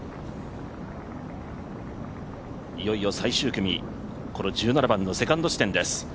いよいよ最終組、１７番のセカンド地点です。